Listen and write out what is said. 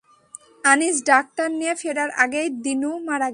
Anis doctor নিয়ে ফেরার আগেই দিনু মারা গেল।